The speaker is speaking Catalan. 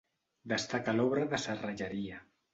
Destaca l'obra de serralleria.